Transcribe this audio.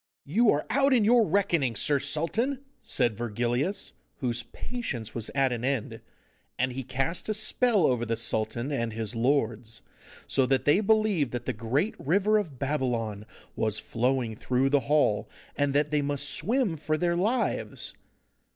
'You are out in your reckoning, Sir Sultan!' said Virgilius, whose patience was at an end, and he cast a spell over the sultan and his lords, so that they believed that the great river of Babylon was flowing through the hall, and that they must swim for their lives.